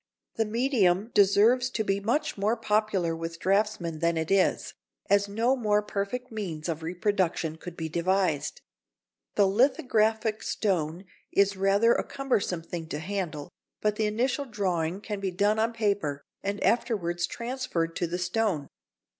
The medium deserves to be much more popular with draughtsmen than it is, as no more perfect means of reproduction could be devised. The lithographic stone is rather a cumbersome thing to handle, but the initial drawing can be done on paper and afterwards transferred to the stone.